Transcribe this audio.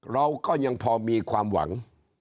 เราก็ยังพอมีความหวัง